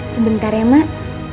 sebentar ya mak